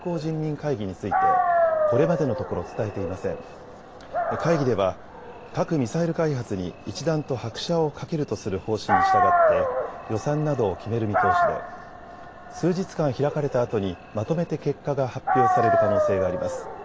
会議では核・ミサイル開発に一段と拍車をかけるとする方針に従って予算などを決める見通しで数日間、開かれたあとにまとめて結果が発表される可能性があります。